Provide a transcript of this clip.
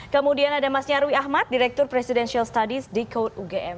kemudian ada mas nyarwi ahmad direktur presidential studies di code ugm